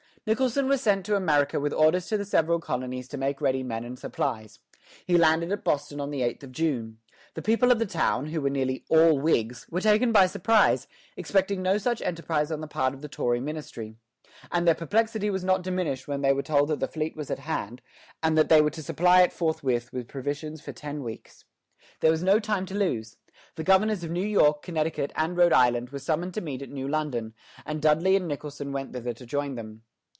Nicholson was sent to America with orders to the several colonies to make ready men and supplies. He landed at Boston on the eighth of June. The people of the town, who were nearly all Whigs, were taken by surprise, expecting no such enterprise on the part of the Tory ministry; and their perplexity was not diminished when they were told that the fleet was at hand, and that they were to supply it forthwith with provisions for ten weeks. There was no time to lose. The governors of New York, Connecticut, and Rhode Island were summoned to meet at New London, and Dudley and Nicholson went thither to join them.